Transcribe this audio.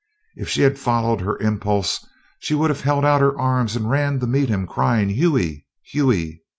If she had followed her impulse, she would have held out her arms and ran to meet him crying, "Hughie! Hughie!"